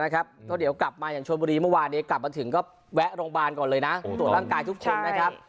อาจจะกลับมาเพื่อแสนแรมกันมาถึงก็ต้องไปอยู่โรงพยาบาลแล้ว